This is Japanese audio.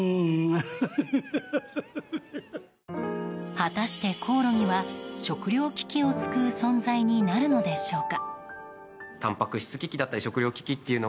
果たして、コオロギは食糧危機を救う存在になるのでしょうか。